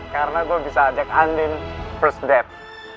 karena gue bisa ajak andin first date